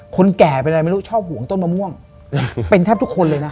คนแก่เป็นอะไรไม่รู้ชอบห่วงต้นมะม่วงเป็นแทบทุกคนเลยนะ